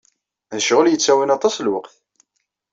D ccɣel yettawin aṭas lweqt.